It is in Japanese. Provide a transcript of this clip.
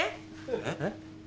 えっ？